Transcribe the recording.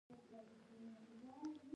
ما ورته وویل: ځیني وختونه غصه راځي.